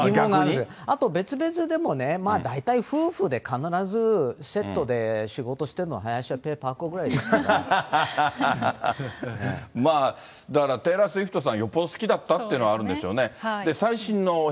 けど別々でもね、大体夫婦で必ずセットで仕事してるのは、だから、テイラー・スウィフトさん、よっぽど好きだったっていうのはあるんでしょうね。